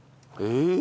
えっ？